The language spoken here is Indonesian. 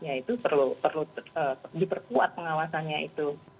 ya itu perlu diperkuat pengawasannya itu